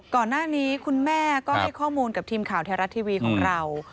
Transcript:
ก่อนหน้านี้คุณแม่ก็ให้ข้อมูลกับทีมข่าวไทยรัฐทีวีของเรา